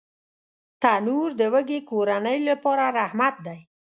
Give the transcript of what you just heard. تنور د وږې کورنۍ لپاره رحمت دی